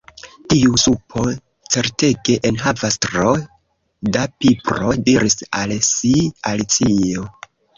"Tiu supo certege enhavas tro da pipro," diris al si Alicio.